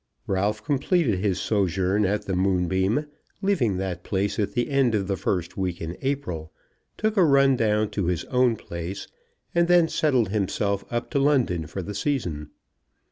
Ralph completed his sojourn at the Moonbeam, leaving that place at the end of the first week in April, took a run down to his own place, and then settled himself up to London for the season.